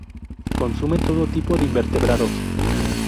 Consumen todo tipo de invertebrados.